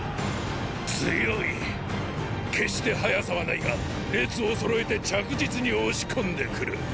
強い決して速さはないが列をそろえて着実に押し込んでくる。